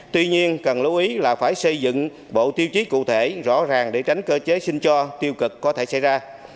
tuy nhiên cần lưu ý là phải xây dựng bộ tiêu chí cụ thể rõ ràng để tránh cơ chế xin cho tiêu cực có thể xảy ra